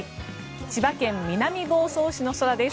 千葉県南房総市の空です。